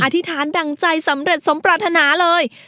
อธิษฐานดั่งใจสำเร็จสมปรารถนาเลย